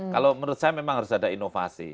kalau menurut saya memang harus ada inovasi